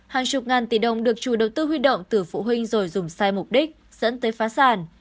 hàng chục ngàn tỷ đồng được chủ đầu tư huy động từ phụ huynh rồi dùng sai mục đích dẫn tới phá sản